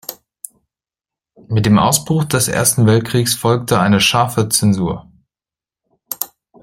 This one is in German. Mit dem Ausbruch des Ersten Weltkriegs folgte eine scharfe Zäsur.